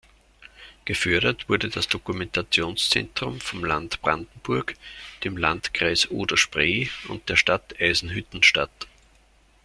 Gefördert wurde das Dokumentationszentrums vom Land Brandenburg, dem Landkreis Oder-Spree und der Stadt Eisenhüttenstadt.